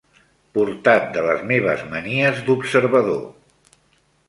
Portat de les meves manies d'observador